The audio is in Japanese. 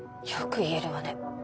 よく言えるわね